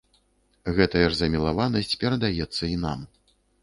Гэтая ж замілаванасць перадаецца і нам.